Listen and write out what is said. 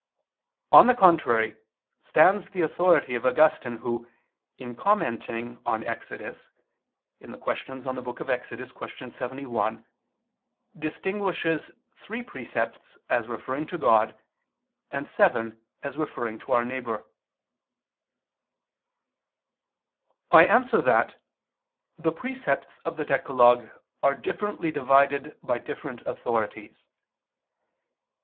On the contrary, stands the authority of Augustine who, in commenting on Exodus (Qq. in Exod. qu. lxxi) distinguishes three precepts as referring to God, and seven as referring to our neighbor. I answer that, The precepts of the decalogue are differently divided by different authorities.